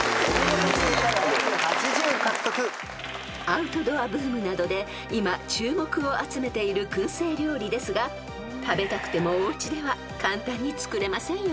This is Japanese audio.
［アウトドアブームなどで今注目を集めている薫製料理ですが食べたくてもおうちでは簡単に作れませんよね］